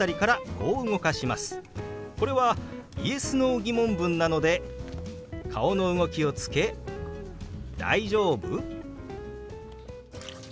これはＹｅｓ／Ｎｏー疑問文なので顔の動きをつけ「大丈夫？」。